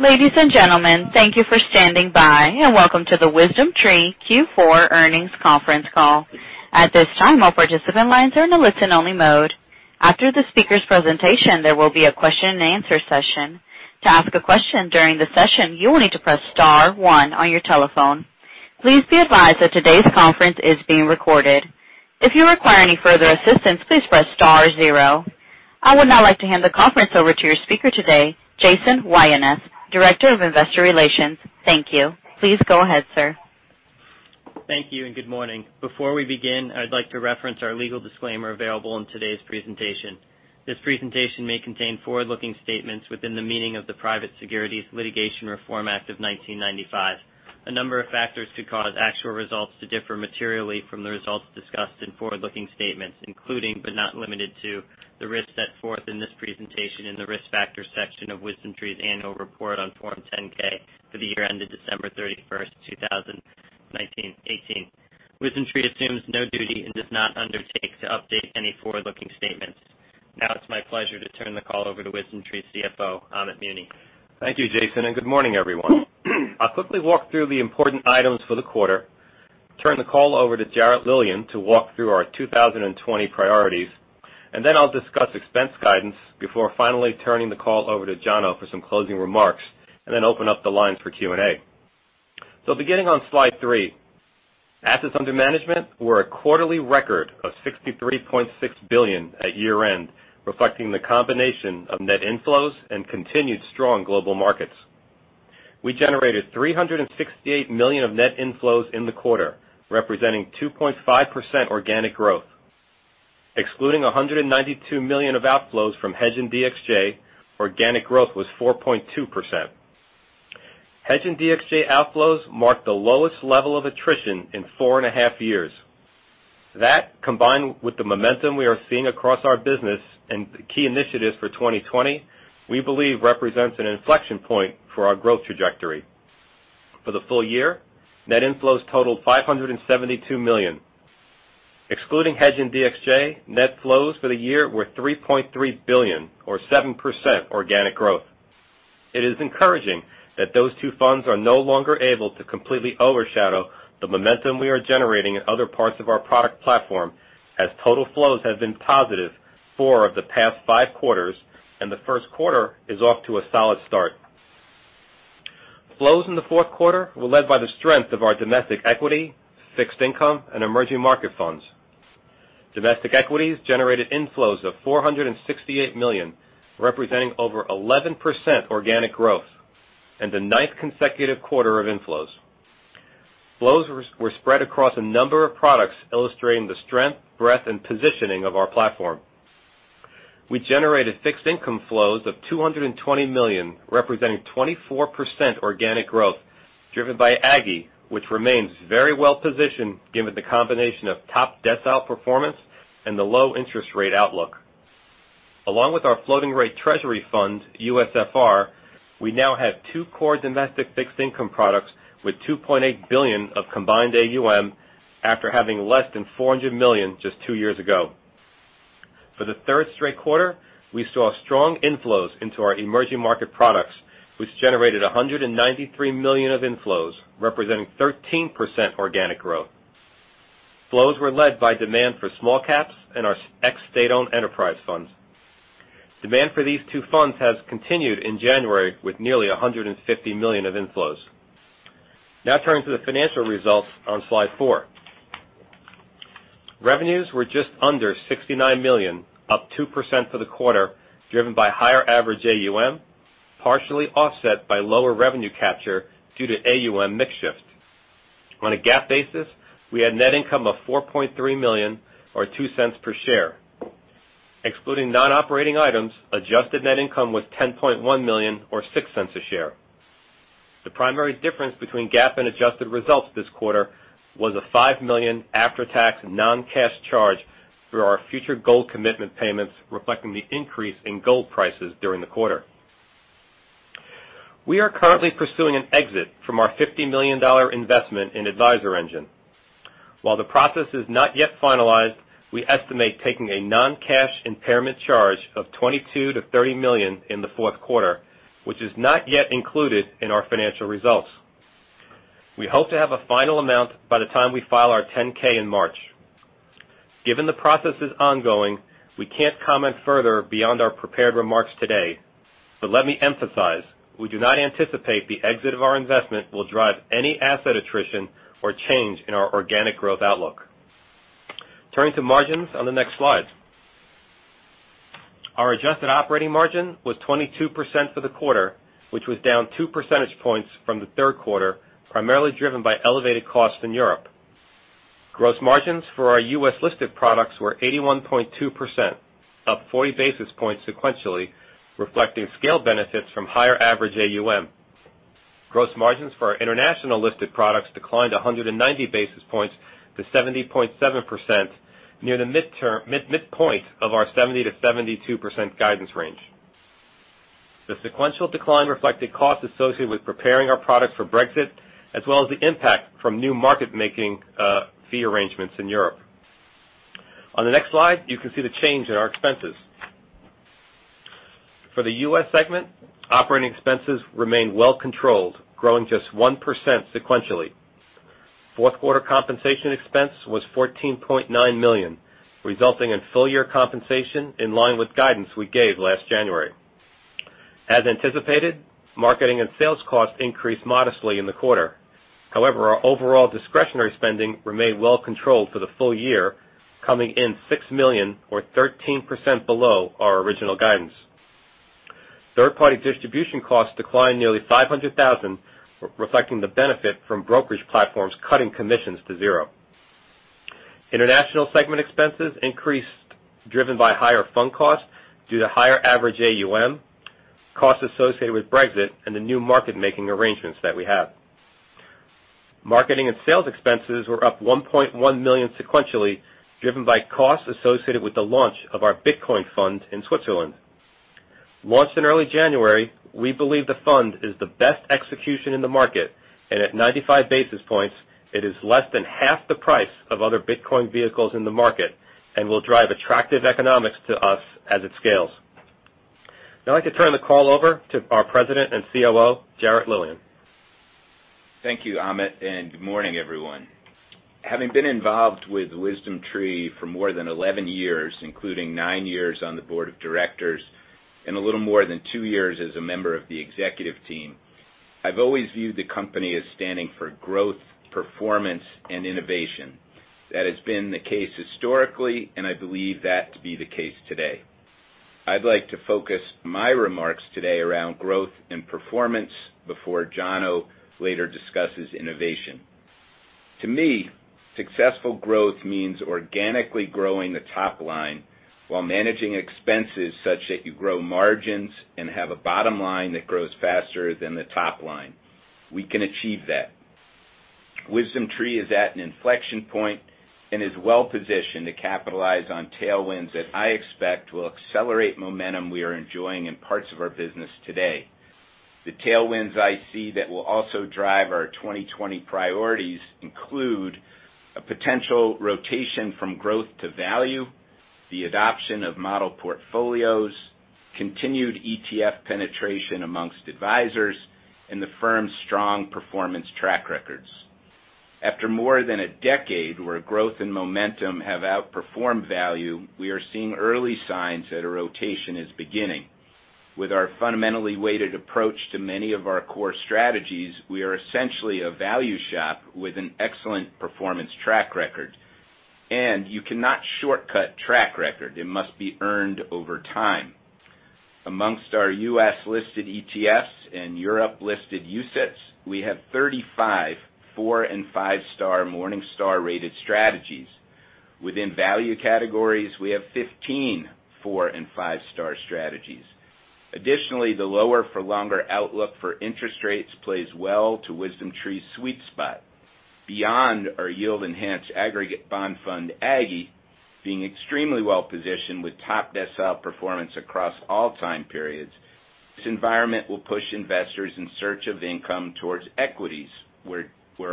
Ladies and gentlemen, thank you for standing by, and welcome to the WisdomTree Q4 Earnings Conference Call. At this time, all participant lines are in a listen-only mode. After the speaker's presentation, there will be a question and answer session. To ask a question during the session, you will need to press star one on your telephone. Please be advised that today's conference is being recorded. If you require any further assistance, please press star zero. I would now like to hand the conference over to your speaker today, Jason Weyeneth, Director of Investor Relations. Thank you. Please go ahead, sir. Thank you, and good morning. Before we begin, I'd like to reference our legal disclaimer available in today's presentation. This presentation may contain forward-looking statements within the meaning of the Private Securities Litigation Reform Act of 1995. A number of factors could cause actual results to differ materially from the results discussed in forward-looking statements, including, but not limited to, the risks set forth in this presentation in the Risk Factors section of WisdomTree's annual report on Form 10-K for the year ended December 31st, 2018. WisdomTree assumes no duty and does not undertake to update any forward-looking statements. Now it's my pleasure to turn the call over to WisdomTree's CFO, Amit Muni. Thank you, Jason, good morning, everyone. I'll quickly walk through the important items for the quarter, turn the call over to Jarrett Lilien to walk through our 2020 priorities, and then I'll discuss expense guidance before finally turning the call over to Jono for some closing remarks, and then open up the lines for Q&A. Beginning on slide three, assets under management were a quarterly record of $63.6 billion at year-end, reflecting the combination of net inflows and continued strong global markets. We generated $368 million of net inflows in the quarter, representing 2.5% organic growth. Excluding $192 million of outflows from HEDJ and DXJ, organic growth was 4.2%. HEDJ and DXJ outflows marked the lowest level of attrition in four and a half years. That, combined with the momentum we are seeing across our business and the key initiatives for 2020, we believe represents an inflection point for our growth trajectory. For the full year, net inflows totaled $572 million. Excluding HEDJ and DXJ, net flows for the year were $3.3 billion, or 7% organic growth. It is encouraging that those two funds are no longer able to completely overshadow the momentum we are generating in other parts of our product platform, as total flows have been positive four of the past five quarters, and the first quarter is off to a solid start. Flows in the fourth quarter were led by the strength of our domestic equity, fixed income, and emerging market funds. Domestic equities generated inflows of $468 million, representing over 11% organic growth and the ninth consecutive quarter of inflows. Flows were spread across a number of products, illustrating the strength, breadth, and positioning of our platform. We generated fixed income flows of $220 million, representing 24% organic growth, driven by AGGY, which remains very well-positioned given the combination of top decile performance and the low interest rate outlook. Along with our floating rate treasury fund, USFR, we now have two core domestic fixed income products with $2.8 billion of combined AUM, after having less than $400 million just two years ago. For the third straight quarter, we saw strong inflows into our emerging market products, which generated $193 million of inflows, representing 13% organic growth. Flows were led by demand for Small Caps and our Ex-State-Owned Enterprises funds. Demand for these two funds has continued in January with nearly $150 million of inflows. Now turning to the financial results on slide four. Revenues were just under $69 million, up 2% for the quarter, driven by higher average AUM, partially offset by lower revenue capture due to AUM mix shift. On a GAAP basis, we had net income of $4.3 million or $0.02 per share. Excluding non-operating items, adjusted net income was $10.1 million or $0.06 a share. The primary difference between GAAP and adjusted results this quarter was a $5 million after-tax non-cash charge through our future gold commitment payments, reflecting the increase in gold prices during the quarter. We are currently pursuing an exit from our $50 million investment in AdvisorEngine. While the process is not yet finalized, we estimate taking a non-cash impairment charge of $22 million-$30 million in the fourth quarter, which is not yet included in our financial results. We hope to have a final amount by the time we file our 10-K in March. Given the process is ongoing, we can't comment further beyond our prepared remarks today. Let me emphasize, we do not anticipate the exit of our investment will drive any asset attrition or change in our organic growth outlook. Turning to margins on the next slide. Our adjusted operating margin was 22% for the quarter, which was down two percentage points from the third quarter, primarily driven by elevated costs in Europe. Gross margins for our U.S.-listed products were 81.2%, up 40 basis points sequentially, reflecting scale benefits from higher average AUM. Gross margins for our international listed products declined 190 basis points to 70.7%, near the midpoint of our 70%-72% guidance range. The sequential decline reflected costs associated with preparing our products for Brexit, as well as the impact from new market making fee arrangements in Europe. On the next slide, you can see the change in our expenses. For the U.S. segment, operating expenses remained well controlled, growing just 1% sequentially. Fourth quarter compensation expense was $14.9 million, resulting in full-year compensation in line with guidance we gave last January. As anticipated, marketing and sales costs increased modestly in the quarter. However, our overall discretionary spending remained well controlled for the full year, coming in $6 million or 13% below our original guidance. Third-party distribution costs declined nearly $500,000, reflecting the benefit from brokerage platforms cutting commissions to zero. International segment expenses increased, driven by higher fund costs due to higher average AUM, costs associated with Brexit, and the new market-making arrangements that we have. Marketing and sales expenses were up $1.1 million sequentially, driven by costs associated with the launch of our Bitcoin fund in Switzerland. Launched in early January, we believe the fund is the best execution in the market, and at 95 basis points, it is less than half the price of other Bitcoin vehicles in the market and will drive attractive economics to us as it scales. I'd like to turn the call over to our President and COO, Jarrett Lilien. Thank you, Amit, and good morning, everyone. Having been involved with WisdomTree for more than 11 years, including nine years on the board of directors and a little more than two years as a member of the executive team, I've always viewed the company as standing for growth, performance, and innovation. That has been the case historically, and I believe that to be the case today. I'd like to focus my remarks today around growth and performance before Jono later discusses innovation. To me, successful growth means organically growing the top line while managing expenses such that you grow margins and have a bottom line that grows faster than the top line. We can achieve that. WisdomTree is at an inflection point and is well positioned to capitalize on tailwinds that I expect will accelerate momentum we are enjoying in parts of our business today. The tailwinds I see that will also drive our 2020 priorities include a potential rotation from growth to value, the adoption of model portfolios, continued ETF penetration amongst advisors, and the firm's strong performance track records. After more than a decade where growth and momentum have outperformed value, we are seeing early signs that a rotation is beginning. With our fundamentally weighted approach to many of our core strategies, we are essentially a value shop with an excellent performance track record. You cannot shortcut track record. It must be earned over time. Amongst our U.S.-listed ETFs and Europe-listed UCITS, we have 35 four and five-star Morningstar-rated strategies. Within value categories, we have 15 four and five-star strategies. Additionally, the lower for longer outlook for interest rates plays well to WisdomTree's sweet spot. Beyond our yield-enhanced aggregate bond fund, AGGY, being extremely well positioned with top decile performance across all time periods, this environment will push investors in search of income towards equities, where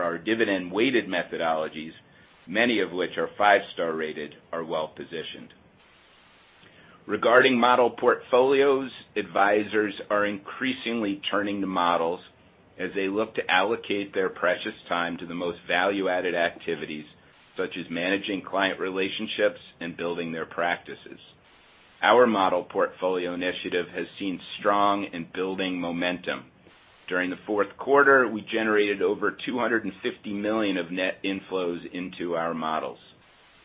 our dividend-weighted methodologies, many of which are five-star rated, are well positioned. Regarding model portfolios, advisors are increasingly turning to models as they look to allocate their precious time to the most value-added activities, such as managing client relationships and building their practices. Our model portfolio initiative has seen strong and building momentum. During the fourth quarter, we generated over $250 million of net inflows into our models.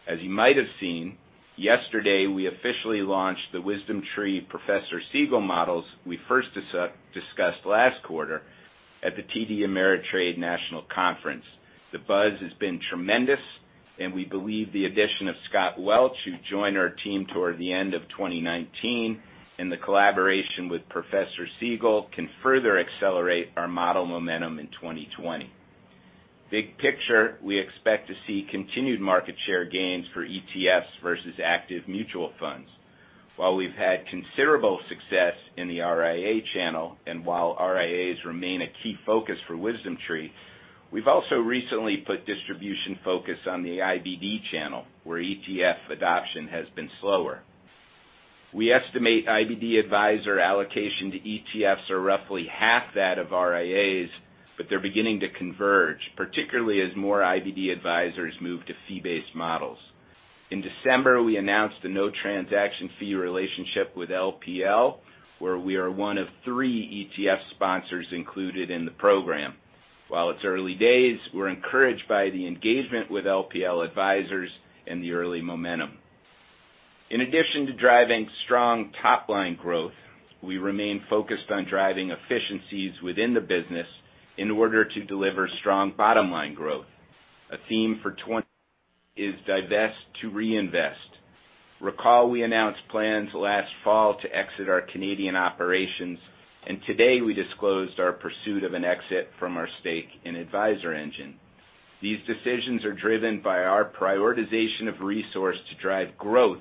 As you might have seen, yesterday, we officially launched the WisdomTree Professor Siegel models we first discussed last quarter at the TD Ameritrade National Conference. The buzz has been tremendous. We believe the addition of Scott Welch, who joined our team toward the end of 2019, and the collaboration with Professor Siegel can further accelerate our model momentum in 2020. Big picture, we expect to see continued market share gains for ETFs versus active mutual funds. While we've had considerable success in the RIA channel, and while RIAs remain a key focus for WisdomTree, we've also recently put distribution focus on the IBD channel, where ETF adoption has been slower. We estimate IBD advisor allocation to ETFs are roughly half that of RIAs, but they're beginning to converge, particularly as more IBD advisors move to fee-based models. In December, we announced a no-transaction fee relationship with LPL, where we are one of three ETF sponsors included in the program. While it's early days, we're encouraged by the engagement with LPL advisors and the early momentum. In addition to driving strong top-line growth, we remain focused on driving efficiencies within the business in order to deliver strong bottom-line growth. A theme for 2020 is divest to reinvest. Recall, we announced plans last fall to exit our Canadian operations, and today we disclosed our pursuit of an exit from our stake in AdvisorEngine. These decisions are driven by our prioritization of resource to drive growth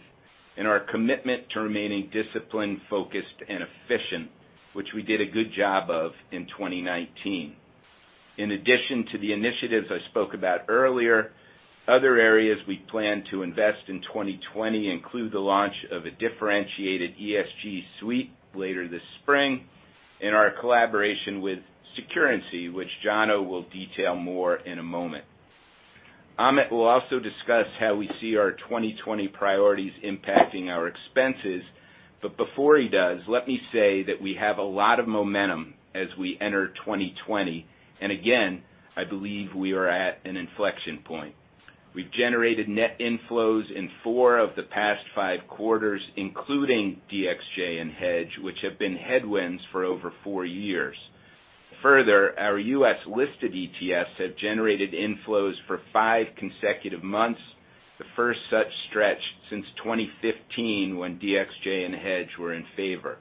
and our commitment to remaining disciplined, focused, and efficient, which we did a good job of in 2019. In addition to the initiatives I spoke about earlier, other areas we plan to invest in 2020 include the launch of a differentiated ESG suite later this spring and our collaboration with Securrency, which Jono will detail more in a moment. Amit will also discuss how we see our 2020 priorities impacting our expenses. Before he does, let me say that we have a lot of momentum as we enter 2020. Again, I believe we are at an inflection point. We've generated net inflows in four of the past five quarters, including DXJ and HEDJ, which have been headwinds for over four years. Further, our U.S.-listed ETFs have generated inflows for five consecutive months, the first such stretch since 2015 when DXJ and HEDJ were in favor.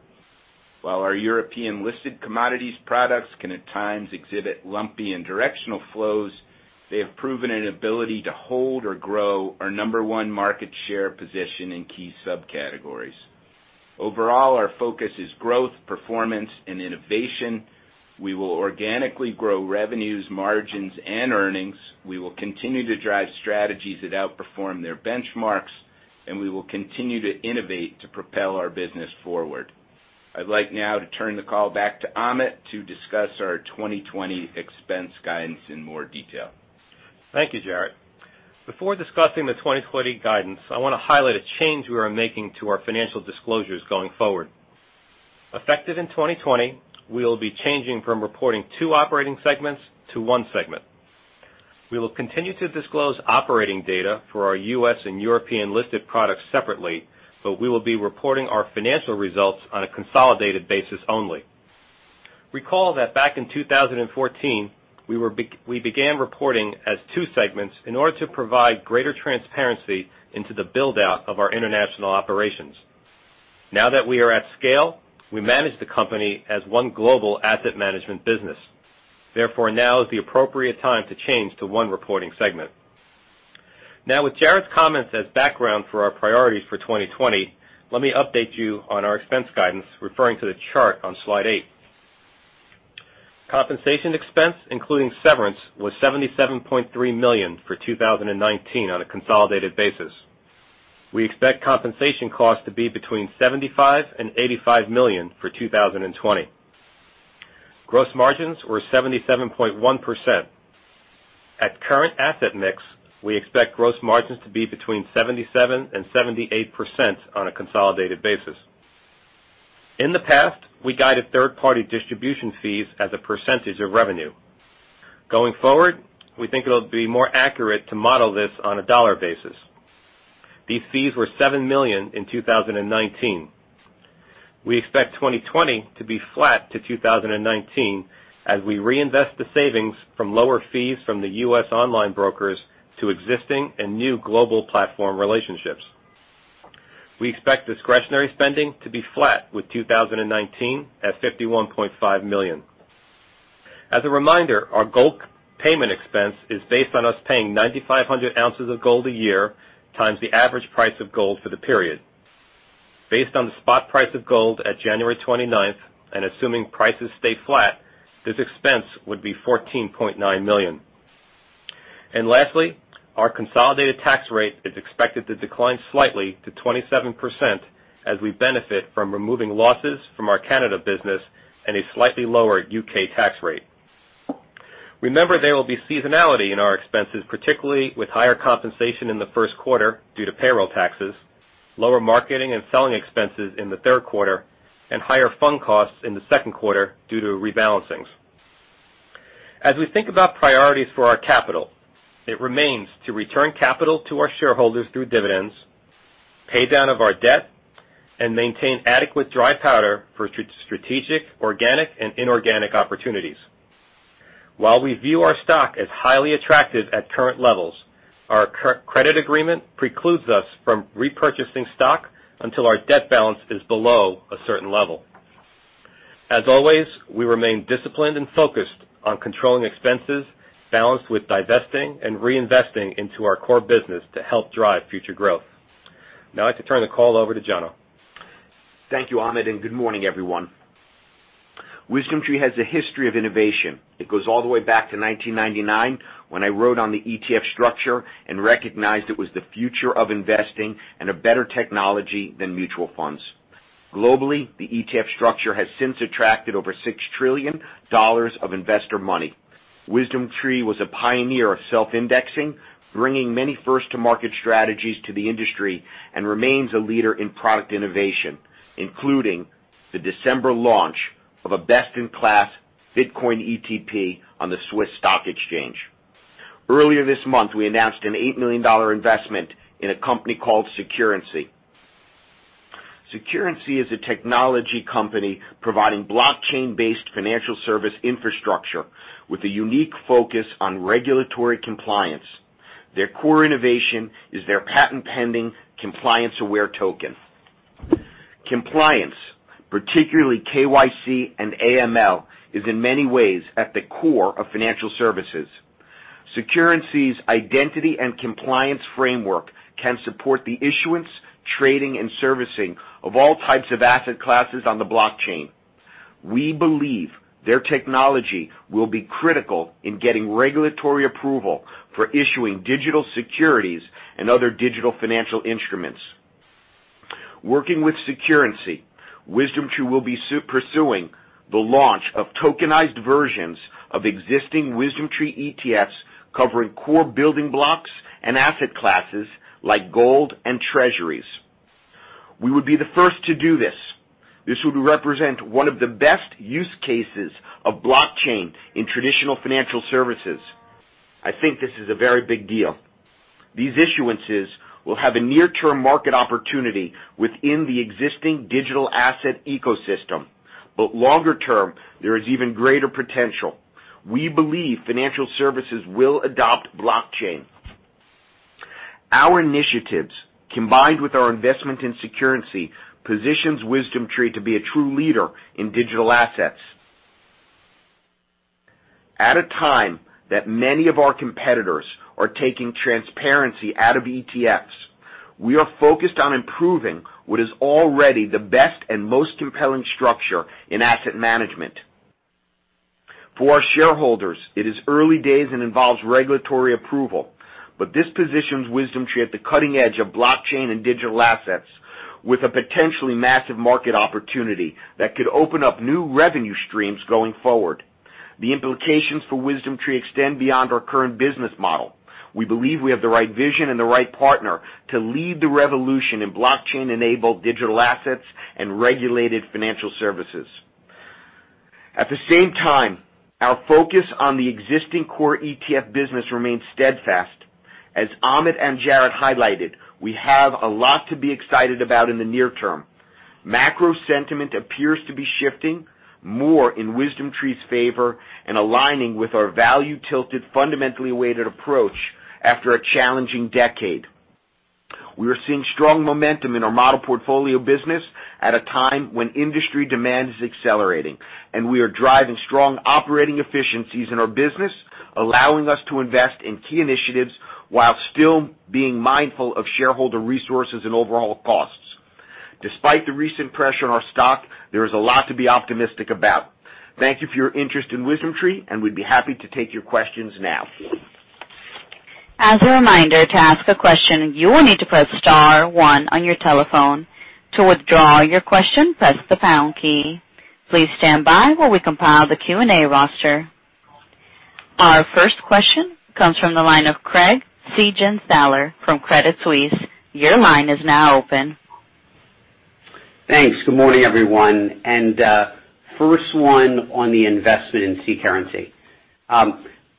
While our European-listed commodities products can at times exhibit lumpy and directional flows, they have proven an ability to hold or grow our number one market share position in key subcategories. Overall, our focus is growth, performance, and innovation. We will organically grow revenues, margins, and earnings. We will continue to drive strategies that outperform their benchmarks, and we will continue to innovate to propel our business forward. I'd like now to turn the call back to Amit to discuss our 2020 expense guidance in more detail. Thank you, Jarrett. Before discussing the 2020 guidance, I want to highlight a change we are making to our financial disclosures going forward. Effective in 2020, we will be changing from reporting two operating segments to one segment. We will continue to disclose operating data for our U.S. and European-listed products separately, but we will be reporting our financial results on a consolidated basis only. Recall that back in 2014, we began reporting as two segments in order to provide greater transparency into the build-out of our international operations. Now that we are at scale, we manage the company as one global asset management business. Now is the appropriate time to change to one reporting segment. Now with Jarrett's comments as background for our priorities for 2020, let me update you on our expense guidance, referring to the chart on slide eight. Compensation expense, including severance, was $77.3 million for 2019 on a consolidated basis. We expect compensation costs to be between $75 million and $85 million for 2020. Gross margins were 77.1%. At current asset mix, we expect gross margins to be between 77% and 78% on a consolidated basis. In the past, we guided third-party distribution fees as a percentage of revenue. Going forward, we think it'll be more accurate to model this on a dollar basis. These fees were $7 million in 2019. We expect 2020 to be flat to 2019 as we reinvest the savings from lower fees from the U.S. online brokers to existing and new global platform relationships. We expect discretionary spending to be flat with 2019, at $51.5 million. As a reminder, our gold payment expense is based on us paying 9,500 ounces of gold a year times the average price of gold for the period. Based on the spot price of gold at January 29th, and assuming prices stay flat, this expense would be $14.9 million. Lastly, our consolidated tax rate is expected to decline slightly to 27% as we benefit from removing losses from our Canada business and a slightly lower U.K. tax rate. Remember, there will be seasonality in our expenses, particularly with higher compensation in the first quarter due to payroll taxes, lower marketing and selling expenses in the third quarter, and higher fund costs in the second quarter due to rebalancings. As we think about priorities for our capital, it remains to return capital to our shareholders through dividends, pay down of our debt, and maintain adequate dry powder for strategic, organic, and inorganic opportunities. While we view our stock as highly attractive at current levels, our credit agreement precludes us from repurchasing stock until our debt balance is below a certain level. As always, we remain disciplined and focused on controlling expenses, balanced with divesting and reinvesting into our core business to help drive future growth. Now I'd like to turn the call over to Jono. Thank you, Amit, and good morning, everyone. WisdomTree has a history of innovation. It goes all the way back to 1999 when I wrote on the ETF structure and recognized it was the future of investing and a better technology than mutual funds. Globally, the ETF structure has since attracted over $6 trillion of investor money. WisdomTree was a pioneer of self-indexing, bringing many first-to-market strategies to the industry and remains a leader in product innovation, including the December launch of a best-in-class Bitcoin ETP on the SIX Swiss Exchange. Earlier this month, we announced an $8 million investment in a company called Securrency. Securrency is a technology company providing blockchain-based financial service infrastructure with a unique focus on regulatory compliance. Their core innovation is their patent-pending compliance-aware token. Compliance, particularly KYC and AML, is in many ways at the core of financial services. Securrency's identity and compliance framework can support the issuance, trading, and servicing of all types of asset classes on the blockchain. We believe their technology will be critical in getting regulatory approval for issuing digital securities and other digital financial instruments. Working with Securrency, WisdomTree will be pursuing the launch of tokenized versions of existing WisdomTree ETFs covering core building blocks and asset classes like gold and treasuries. We would be the first to do this. This would represent one of the best use cases of blockchain in traditional financial services. I think this is a very big deal. These issuances will have a near-term market opportunity within the existing digital asset ecosystem. Longer-term, there is even greater potential. We believe financial services will adopt blockchain. Our initiatives, combined with our investment in Securrency, positions WisdomTree to be a true leader in digital assets. At a time that many of our competitors are taking transparency out of ETFs, we are focused on improving what is already the best and most compelling structure in asset management. For our shareholders, it is early days and involves regulatory approval. This positions WisdomTree at the cutting edge of blockchain and digital assets with a potentially massive market opportunity that could open up new revenue streams going forward. The implications for WisdomTree extend beyond our current business model. We believe we have the right vision and the right partner to lead the revolution in blockchain-enabled digital assets and regulated financial services. At the same time, our focus on the existing core ETF business remains steadfast. As Amit and Jarrett highlighted, we have a lot to be excited about in the near term. Macro sentiment appears to be shifting more in WisdomTree's favor and aligning with our value-tilted, fundamentally weighted approach after a challenging decade. We are seeing strong momentum in our model portfolio business at a time when industry demand is accelerating. We are driving strong operating efficiencies in our business, allowing us to invest in key initiatives while still being mindful of shareholder resources and overall costs. Despite the recent pressure on our stock, there is a lot to be optimistic about. Thank you for your interest in WisdomTree. We'd be happy to take your questions now. As a reminder, to ask a question, you will need to press star one on your telephone. To withdraw your question, press the pound key. Please stand by while we compile the Q&A roster. Our first question comes from the line of Craig Siegenthaler from Credit Suisse. Your line is now open. Thanks. Good morning, everyone. First one on the investment in Securrency.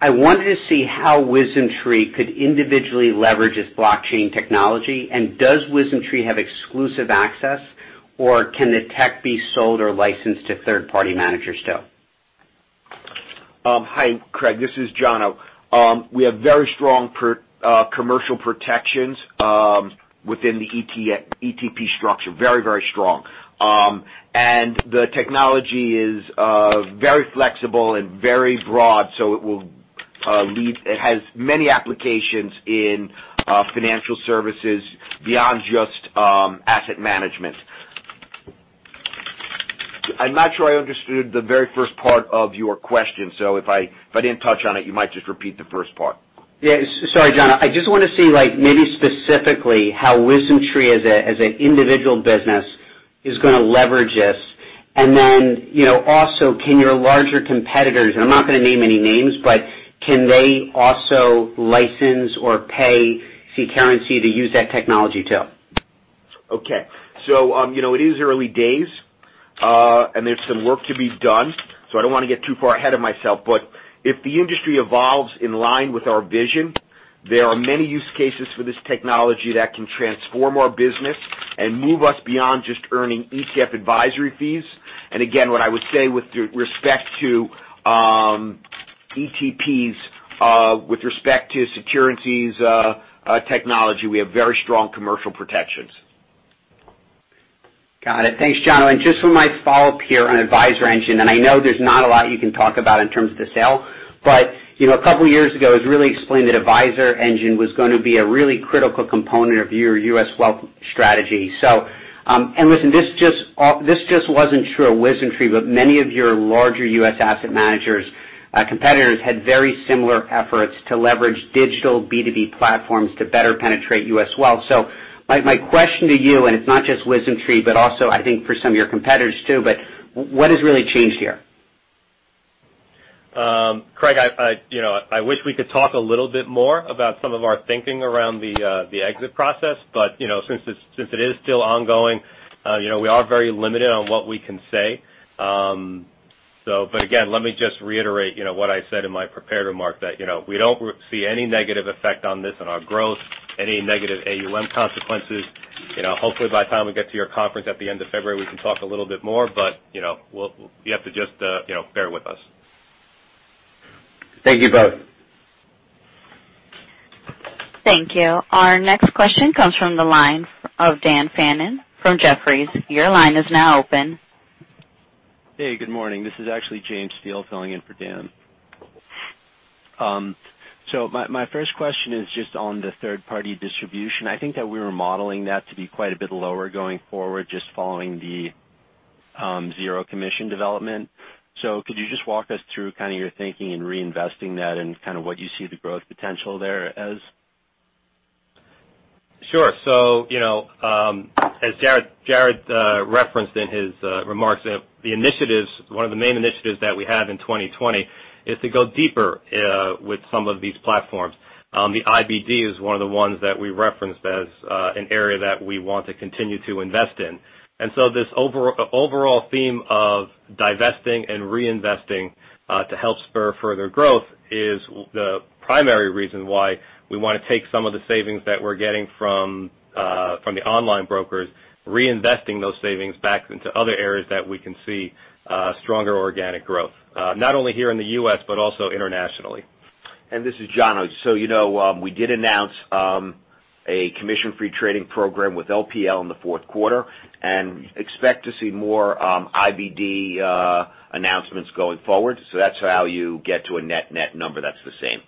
I wanted to see how WisdomTree could individually leverage its blockchain technology, and does WisdomTree have exclusive access, or can the tech be sold or licensed to third-party managers too? Hi, Craig. This is Jono. We have very strong commercial protections within the ETP structure. Very, very strong. The technology is very flexible and very broad, so it has many applications in financial services beyond just asset management. I'm not sure I understood the very first part of your question, so if I didn't touch on it, you might just repeat the first part. Yeah. Sorry, Jono. I just want to see maybe specifically how WisdomTree as an individual business is going to leverage this. Also, can your larger competitors, and I'm not going to name any names, but can they also license or pay Securrency to use that technology too? It is early days, and there's some work to be done, so I don't want to get too far ahead of myself. If the industry evolves in line with our vision, there are many use cases for this technology that can transform our business and move us beyond just earning ETF advisory fees. Again, what I would say with respect to ETPs, with respect to Securrency's technology, we have very strong commercial protections. Got it. Thanks, Jono. Just for my follow-up here on AdvisorEngine, and I know there's not a lot you can talk about in terms of the sale, but a couple of years ago, it was really explained that AdvisorEngine was going to be a really critical component of your U.S. wealth strategy. Listen, this just wasn't sure WisdomTree, but many of your larger U.S. asset managers, competitors had very similar efforts to leverage digital B2B platforms to better penetrate U.S. wealth. My question to you, and it's not just WisdomTree, but also I think for some of your competitors too, but what has really changed here? Craig, I wish we could talk a little bit more about some of our thinking around the exit process. Since it is still ongoing, we are very limited on what we can say. Again, let me just reiterate what I said in my prepared remark that we don't see any negative effect on this on our growth, any negative AUM consequences. Hopefully, by the time we get to your conference at the end of February, we can talk a little bit more, but you have to just bear with us. Thank you both. Thank you. Our next question comes from the line of Daniel Fannon from Jefferies. Your line is now open. Good morning. This is actually James Steele filling in for Dan. My first question is just on the third-party distribution. I think that we were modeling that to be quite a bit lower going forward, just following the zero commission development. Could you just walk us through kind of your thinking in reinvesting that and kind of what you see the growth potential there as? Sure. As Jarrett referenced in his remarks, one of the main initiatives that we have in 2020 is to go deeper with some of these platforms. The IBD is one of the ones that we referenced as an area that we want to continue to invest in. This overall theme of divesting and reinvesting to help spur further growth is the primary reason why we want to take some of the savings that we're getting from the online brokers, reinvesting those savings back into other areas that we can see stronger organic growth, not only here in the U.S., but also internationally. This is Jano. We did announce a commission-free trading program with LPL in the fourth quarter and expect to see more IBD announcements going forward. That's how you get to a net number that's the same.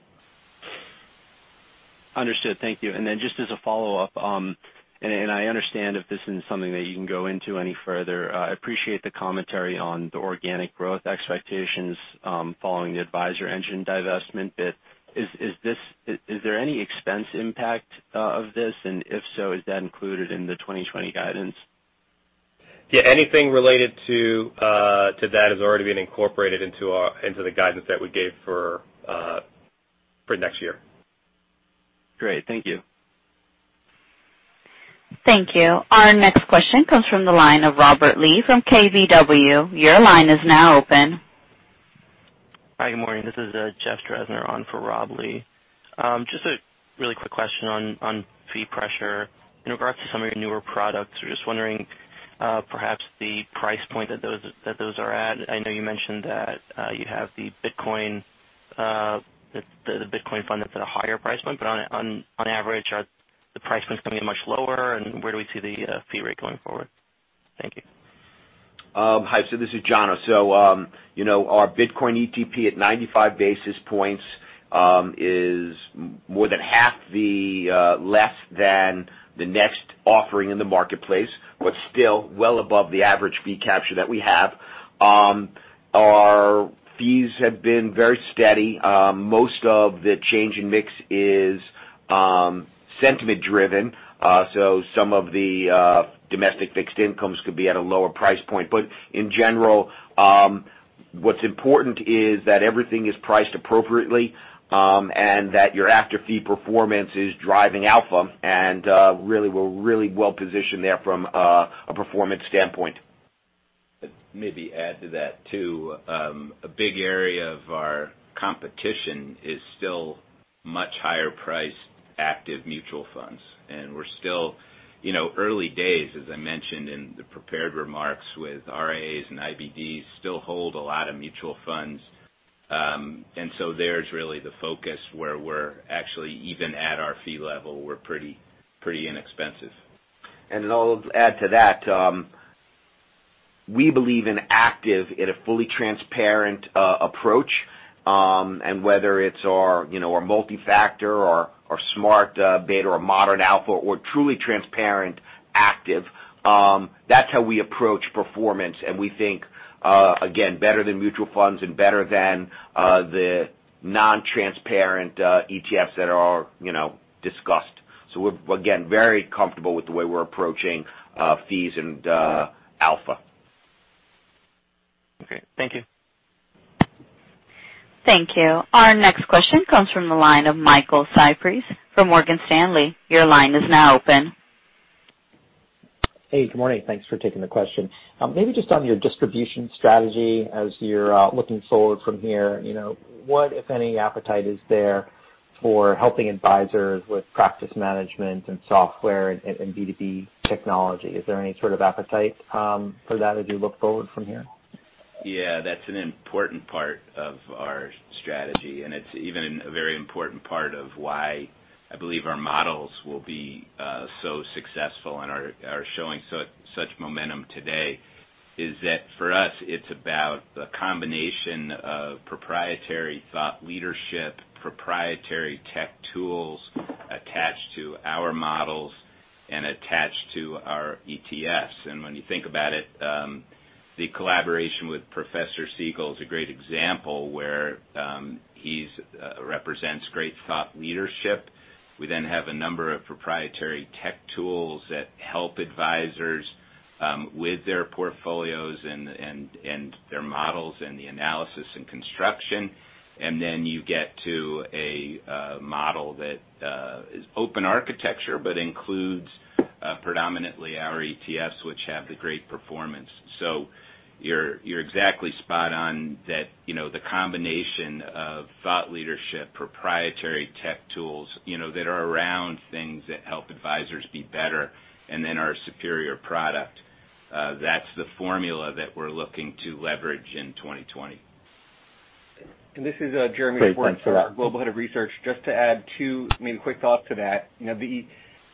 Understood. Thank you. Just as a follow-up, I understand if this isn't something that you can go into any further, I appreciate the commentary on the organic growth expectations following the AdvisorEngine divestment bit. Is there any expense impact of this, and if so, is that included in the 2020 guidance? Yeah. Anything related to that has already been incorporated into the guidance that we gave for next year. Great. Thank you. Thank you. Our next question comes from the line of Robert Lee from KBW. Your line is now open. Hi, good morning. This is Jeffrey Drezner on for Rob Lee. Just a really quick question on fee pressure. In regards to some of your newer products, we're just wondering, perhaps the price point that those are at. I know you mentioned that you have the Bitcoin fund that's at a higher price point. On average, are the price points going to be much lower, and where do we see the fee rate going forward? Thank you. Hi, this is Jono. Our Bitcoin ETP at 95 basis points, is more than half the less than the next offering in the marketplace, but still well above the average fee capture that we have. Our fees have been very steady. Most of the change in mix is sentiment driven. Some of the domestic fixed incomes could be at a lower price point. In general, what's important is that everything is priced appropriately, and that your after-fee performance is driving alpha and we're really well-positioned there from a performance standpoint. Maybe add to that, too. A big area of our competition is still much higher priced active mutual funds. We're still early days, as I mentioned in the prepared remarks, with RIAs and IBDs still hold a lot of mutual funds. There's really the focus where we're actually even at our fee level, we're pretty inexpensive. I'll add to that. We believe in active in a fully transparent approach, and whether it's our multi-factor or smart beta or Modern Alpha, or truly transparent active, that's how we approach performance. We think, again, better than mutual funds and better than the non-transparent ETFs that are discussed. We're, again, very comfortable with the way we're approaching fees and alpha. Okay. Thank you. Thank you. Our next question comes from the line of Michael Cyprys from Morgan Stanley. Your line is now open. Hey, good morning. Thanks for taking the question. Maybe just on your distribution strategy as you're looking forward from here. What, if any, appetite is there for helping advisors with practice management and software and B2B technology? Is there any sort of appetite for that as you look forward from here? Yeah, that's an important part of our strategy, and it's even a very important part of why I believe our models will be so successful and are showing such momentum today is that for us, it's about a combination of proprietary thought leadership, proprietary tech tools attached to our models and attached to our ETFs. When you think about it, the collaboration with Jeremy Siegel is a great example where he represents great thought leadership. We then have a number of proprietary tech tools that help advisors with their portfolios and their models and the analysis and construction. Then you get to a model that is open architecture, but includes predominantly our ETFs, which have the great performance. You're exactly spot on that the combination of thought leadership, proprietary tech tools that are around things that help advisors be better and then our superior product, that's the formula that we're looking to leverage in 2020. This is Jeremy Schwartz. Great. Thanks for that. our Global Head of Research. Just to add two maybe quick thoughts to that.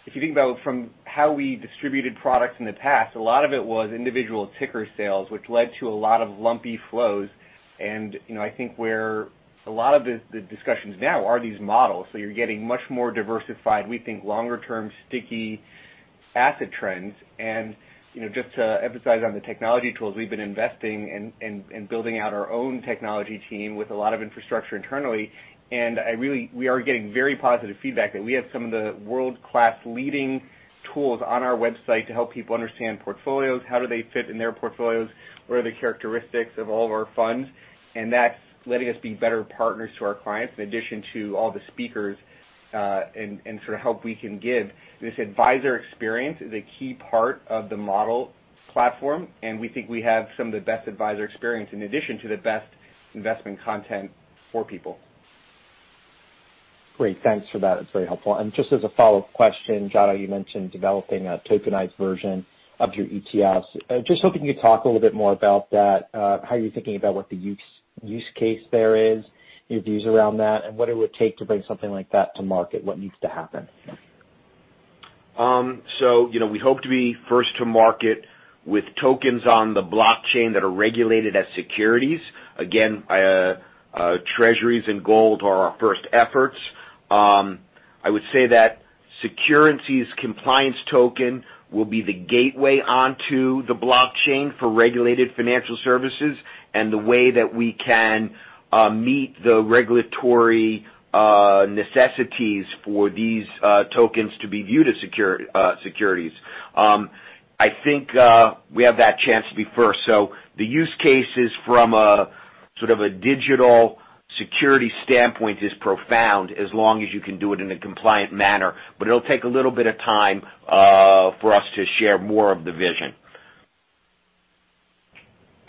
If you think about from how we distributed products in the past, a lot of it was individual ticker sales, which led to a lot of lumpy flows. I think where a lot of the discussions now are these models, so you're getting much more diversified, we think longer term sticky asset trends. Just to emphasize on the technology tools we've been investing in building out our own technology team with a lot of infrastructure internally. We are getting very positive feedback that we have some of the world-class leading tools on our website to help people understand portfolios, how do they fit in their portfolios, what are the characteristics of all of our funds. That's letting us be better partners to our clients in addition to all the speakers and sort of help we can give. This advisor experience is a key part of the model platform. We think we have some of the best advisor experience in addition to the best investment content for people. Great. Thanks for that. It's very helpful. Just as a follow-up question, Jono, you mentioned developing a tokenized version of your ETFs. Just hoping you talk a little bit more about that, how you're thinking about what the use case there is, your views around that, and what it would take to bring something like that to market. What needs to happen? We hope to be first to market with tokens on the blockchain that are regulated as securities. Again, treasuries and gold are our first efforts. I would say that Securrency's compliance token will be the gateway onto the blockchain for regulated financial services and the way that we can meet the regulatory necessities for these tokens to be viewed as securities. I think we have that chance to be first. The use cases from a sort of a digital security standpoint is profound as long as you can do it in a compliant manner. It'll take a little bit of time for us to share more of the vision.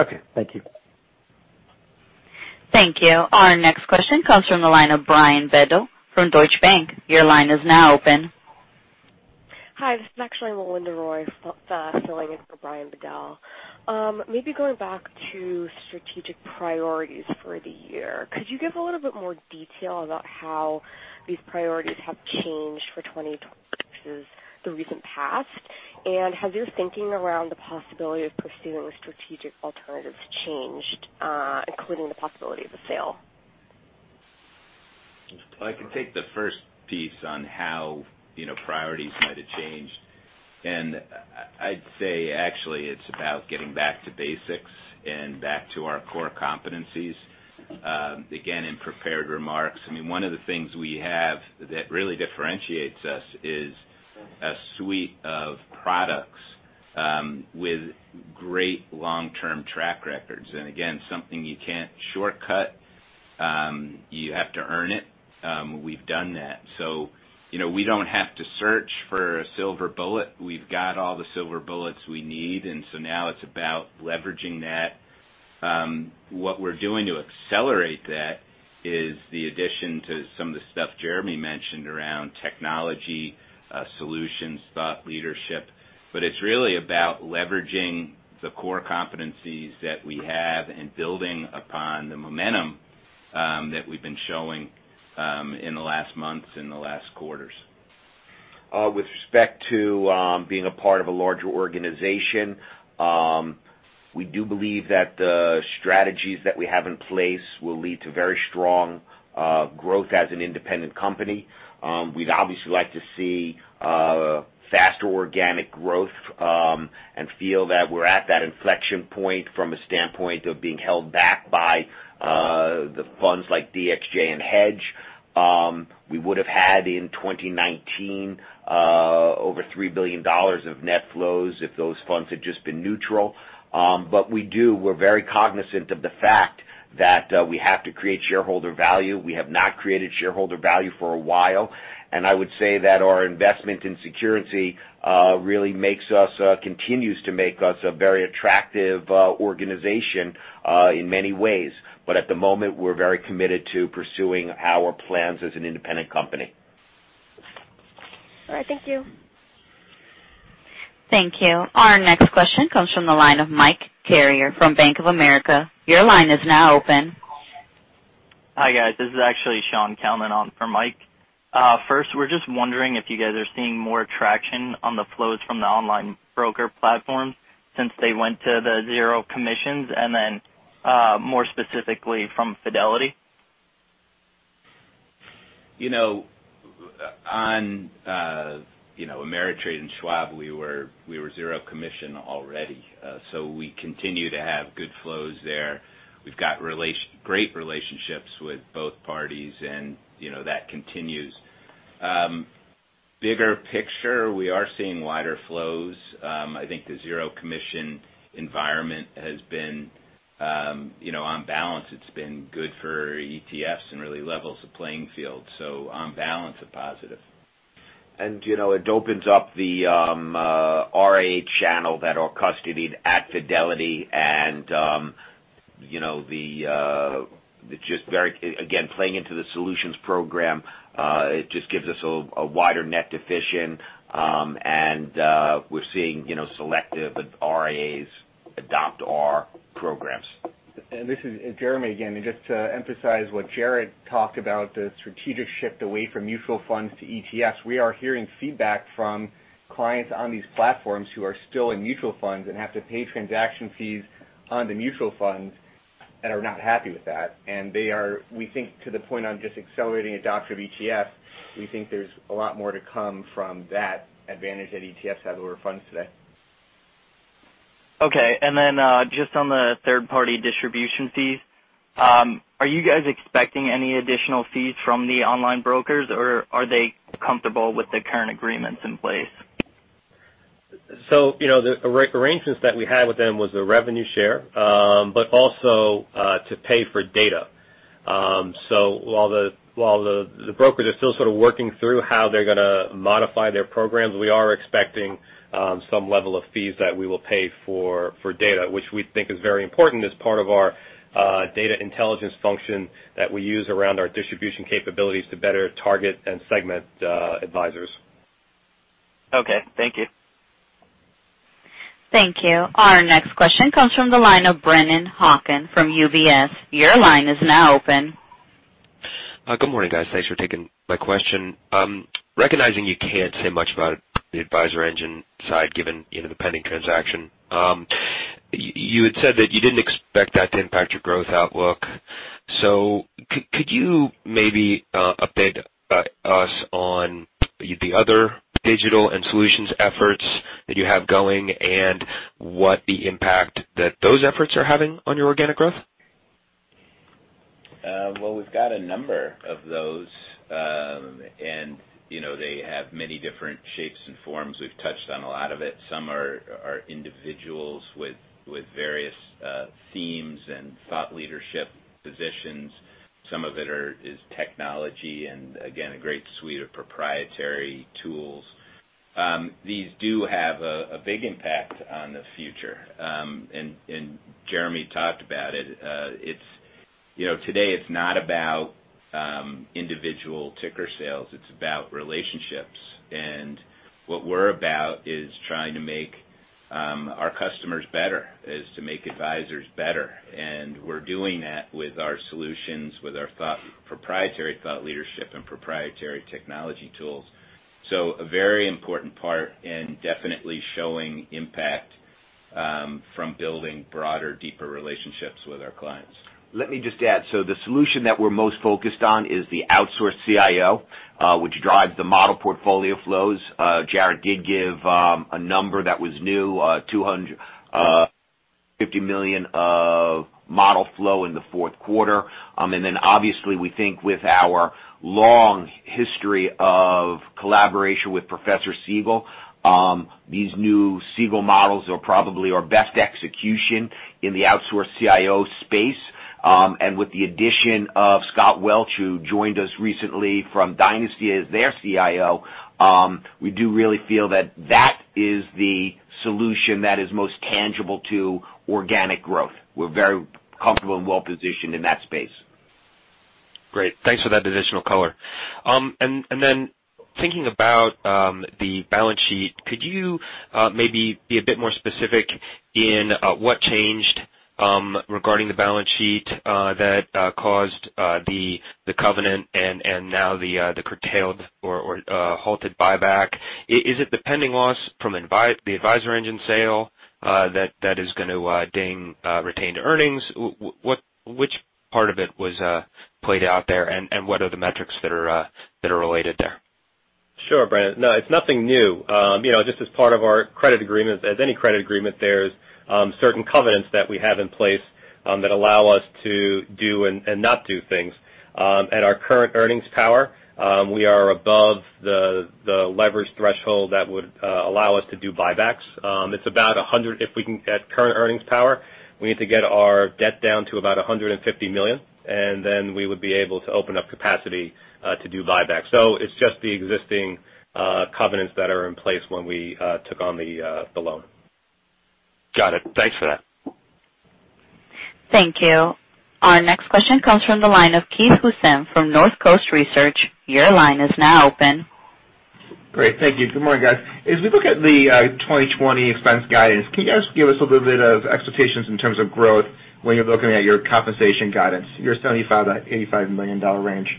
Okay. Thank you. Thank you. Our next question comes from the line of Brian Bedell from Deutsche Bank. Your line is now open. Hi, this is actually Melinda Roy filling in for Brian Bedell. Maybe going back to strategic priorities for the year, could you give a little bit more detail about how these priorities have changed for 2026 the recent past? Has your thinking around the possibility of pursuing the strategic alternatives changed, including the possibility of a sale? I can take the first piece on how priorities might have changed. I'd say actually it's about getting back to basics and back to our core competencies. Again, in prepared remarks, one of the things we have that really differentiates us is a suite of products with great long-term track records. Again, something you can't shortcut. You have to earn it. We've done that. We don't have to search for a silver bullet. We've got all the silver bullets we need. Now it's about leveraging that. What we're doing to accelerate that is the addition to some of the stuff Jeremy mentioned around technology, solutions, thought leadership. It's really about leveraging the core competencies that we have and building upon the momentum that we've been showing in the last months and the last quarters. With respect to being a part of a larger organization, we do believe that the strategies that we have in place will lead to very strong growth as an independent company. We'd obviously like to see faster organic growth, and feel that we're at that inflection point from a standpoint of being held back by the funds like DXJ and HEDJ. We would have had in 2019 over $3 billion of net flows if those funds had just been neutral. We do, we're very cognizant of the fact that we have to create shareholder value. We have not created shareholder value for a while, and I would say that our investment in Securrency continues to make us a very attractive organization in many ways. At the moment, we're very committed to pursuing our plans as an independent company. All right. Thank you. Thank you. Our next question comes from the line of Michael Carrier from Bank of America. Your line is now open. Hi, guys. This is actually Sean Kalman on for Mike. First, we're just wondering if you guys are seeing more traction on the flows from the online broker platforms since they went to the zero commissions, and then more specifically from Fidelity. On Ameritrade and Schwab, we were zero commission already. We continue to have good flows there. We've got great relationships with both parties, that continues. Bigger picture, we are seeing wider flows. I think the zero commission environment has been, on balance, it's been good for ETFs and really levels the playing field. On balance, a positive. It opens up the RIA channel that are custodied at Fidelity and again, playing into the solutions program, it just gives us a wider net to fish in and we're seeing selective RIAs adopt our programs. This is Jeremy again. Just to emphasize what Jarrett talked about, the strategic shift away from mutual funds to ETFs, we are hearing feedback from clients on these platforms who are still in mutual funds and have to pay transaction fees on the mutual funds, and are not happy with that. We think to the point on just accelerating adoption of ETF, we think there's a lot more to come from that advantage that ETFs have over funds today. Okay, just on the third-party distribution fees, are you guys expecting any additional fees from the online brokers, or are they comfortable with the current agreements in place? The arrangements that we had with them was a revenue share, but also to pay for data. While the brokers are still sort of working through how they're going to modify their programs, we are expecting some level of fees that we will pay for data, which we think is very important as part of our data intelligence function that we use around our distribution capabilities to better target and segment advisors. Okay. Thank you. Thank you. Our next question comes from the line of Brennan Hawken from UBS. Your line is now open. Good morning, guys. Thanks for taking my question. Recognizing you can't say much about the AdvisorEngine side, given the pending transaction. You had said that you didn't expect that to impact your growth outlook. Could you maybe update us on the other digital and solutions efforts that you have going, and what the impact that those efforts are having on your organic growth? Well, we've got a number of those. They have many different shapes and forms. We've touched on a lot of it. Some are individuals with various themes and thought leadership positions. Some of it is technology, and again, a great suite of proprietary tools. These do have a big impact on the future. Jeremy talked about it. Today it's not about individual ticker sales, it's about relationships. What we're about is trying to make our customers better, is to make advisors better. We're doing that with our solutions, with our proprietary thought leadership, and proprietary technology tools. A very important part and definitely showing impact from building broader, deeper relationships with our clients. Let me just add, the solution that we're most focused on is the outsourced CIO, which drives the model portfolio flows. Jarrett did give a number that was new, $250 million of model flow in the fourth quarter. Obviously, we think with our long history of collaboration with Professor Siegel, these new Siegel models are probably our best execution in the outsourced CIO space. With the addition of Scott Welch, who joined us recently from Dynasty as their CIO, we do really feel that that is the solution that is most tangible to organic growth. We're very comfortable and well-positioned in that space. Great. Thanks for that additional color. Thinking about the balance sheet, could you maybe be a bit more specific in what changed regarding the balance sheet that caused the covenant, and now the curtailed or halted buyback? Is it the pending loss from the AdvisorEngine sale that is going to ding retained earnings? Which part of it was played out there, and what are the metrics that are related there? Sure, Brennan. It's nothing new. Just as part of our credit agreement, as any credit agreement, there's certain covenants that we have in place that allow us to do and not do things. At our current earnings power, we are above the leverage threshold that would allow us to do buybacks. At current earnings power, we need to get our debt down to about $150 million, and then we would be able to open up capacity to do buybacks. It's just the existing covenants that are in place when we took on the loan. Got it. Thanks for that. Thank you. Our next question comes from the line of Keith Housum from Northcoast Research. Your line is now open. Great. Thank you. Good morning, guys. As we look at the 2020 expense guidance, can you guys give us a little bit of expectations in terms of growth when you're looking at your compensation guidance, your $75 million-$85 million range?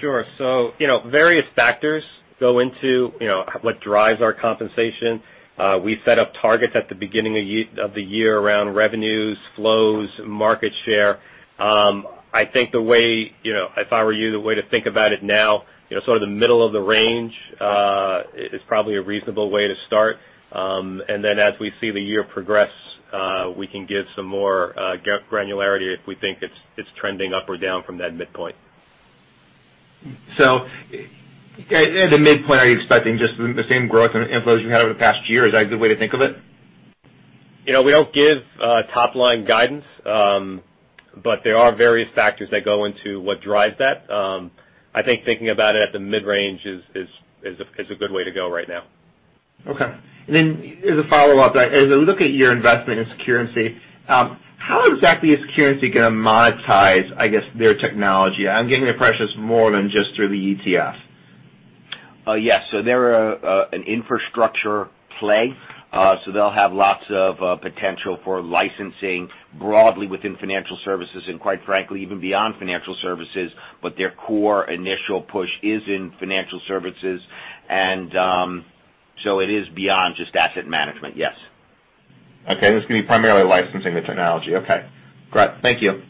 Sure. Various factors go into what drives our compensation. We set up targets at the beginning of the year around revenues, flows, market share. I think if I were you, the way to think about it now, sort of the middle of the range, is probably a reasonable way to start. As we see the year progress, we can give some more granularity if we think it's trending up or down from that midpoint. At the midpoint, are you expecting just the same growth inflows you had over the past year? Is that a good way to think of it? We don't give top-line guidance. There are various factors that go into what drives that. I think thinking about it at the mid-range is a good way to go right now. Okay. As a follow-up, as I look at your investment in Securrency, how exactly is Securrency going to monetize, I guess, their technology? I'm getting the impression it's more than just through the ETF. Yes. They're an infrastructure play. They'll have lots of potential for licensing broadly within financial services, and quite frankly, even beyond financial services. Their core initial push is in financial services. It is beyond just asset management, yes. Okay. It's going to be primarily licensing the technology. Okay. Great. Thank you.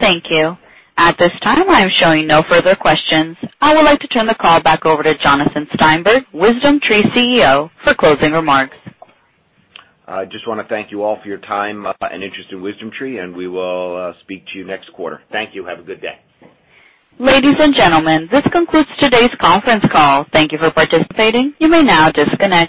Thank you. At this time, I am showing no further questions. I would like to turn the call back over to Jonathan Steinberg, WisdomTree CEO, for closing remarks. I just want to thank you all for your time and interest in WisdomTree, and we will speak to you next quarter. Thank you. Have a good day. Ladies and gentlemen, this concludes today's conference call. Thank you for participating. You may now disconnect.